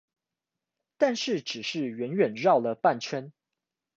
但是只是遠遠繞了半圈